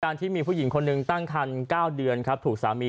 ที่มีผู้หญิงคนหนึ่งตั้งคัน๙เดือนครับถูกสามี